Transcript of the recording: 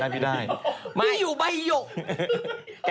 ที่อยู่บะหยก